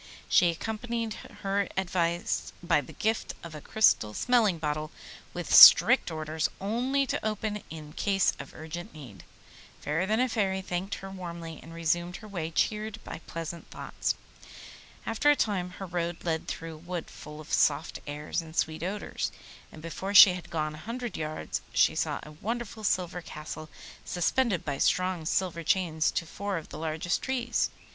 She accompanied her advice by the gift of a crystal smelling bottle, with strict orders only to open it in case of urgent need. Fairer than a Fairy thanked her warmly, and resumed her way cheered by pleasant thoughts. After a time her road led through a wood, full of soft airs and sweet odours, and before she had gone a hundred yards she saw a wonderful silver Castle suspended by strong silver chains to four of the largest trees.